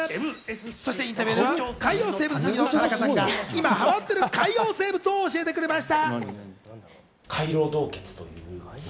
そしてインタビューでは海洋生物好きな田中さんが今ハマっている海洋生物を教えてくれました。